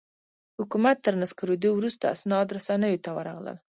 حکومت تر نسکورېدو وروسته اسناد رسنیو ته ورغلل.